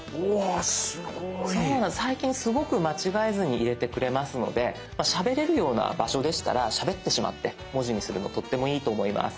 最近すごく間違えずに入れてくれますのでしゃべれるような場所でしたらしゃべってしまって文字にするのとってもいいと思います。